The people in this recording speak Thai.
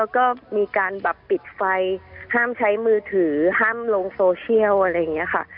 ก็มีการแบบปิดไฟห้ามใช้มือถือห้ามลงโซเชียลอะไรอย่างนี้ค่ะ